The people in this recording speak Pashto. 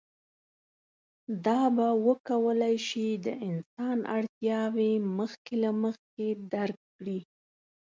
دا به وکولی شي د انسان اړتیاوې مخکې له مخکې درک کړي.